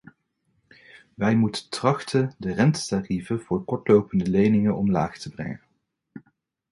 Wij moeten trachten de rentetarieven voor kortlopende leningen omlaag te brengen.